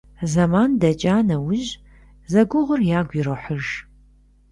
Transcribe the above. Зэман дэкӀа нэужь, зэгугъур ягу ирохьыж.